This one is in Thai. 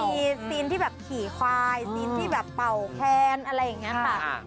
มีซีนที่แบบขี่ควายซีนที่แบบเป่าแคนอะไรอย่างนี้ค่ะ